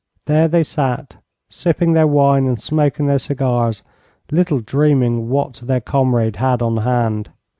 There they sat, sipping their wine and smoking their cigars, little dreaming what their comrade had on hand.